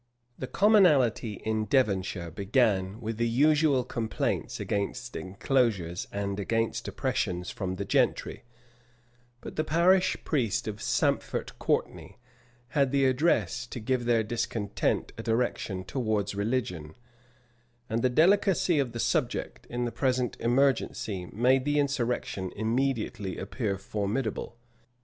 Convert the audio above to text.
The commonalty in Devonshire began with the usual complaints against enclosures and against oppressions from the gentry; but the parish priest of Sampford Courtenay had the address to give their discontent a direction towards religion; and the delicacy of the subject, in the present emergency, made the insurrection immediately appear formidable.